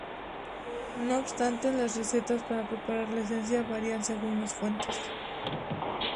No obstante, las recetas para preparar la esencia varían según las fuentes.